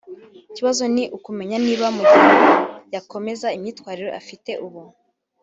Ikibazo ni ukumenya niba mugihe yakomeza imyitwarire afite ubu